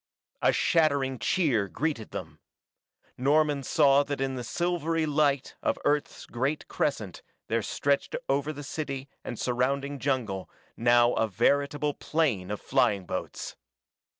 A shattering cheer greeted them. Norman saw that in the silvery light of Earth's great crescent there stretched over the city and surrounding jungle now a veritable plain of flying boats.